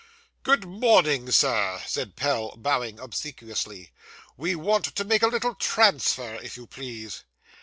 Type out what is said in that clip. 'Good morning, Sir,' said Pell, bowing obsequiously. 'We want to make a little transfer, if you please.